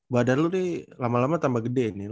badar lu nih lama lama tambah gede nih